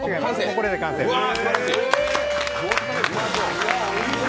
これで完成です。